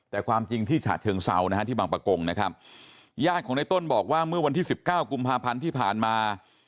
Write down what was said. แต่ความจริงที่ฉะเชิงเซานะฮะที่บางประกงนะครับญาติของในต้นบอกว่าเมื่อวันที่๑๙กุมภาพันธ์ที่ผ่านมา